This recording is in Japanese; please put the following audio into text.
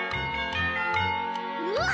うわ！